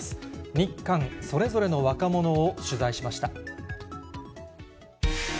日韓それぞれの若者を取材しました。